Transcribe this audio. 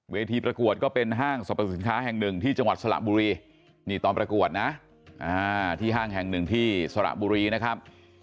ประกวดก็เป็นห้างสรรพสินค้าแห่งหนึ่งที่จังหวัดสระบุรีนี่ตอนประกวดนะที่ห้างแห่งหนึ่งที่สระบุรีนะครับ